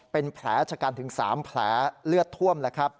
เป็นแผลฉกันถึง๓แผลเลือดท่วม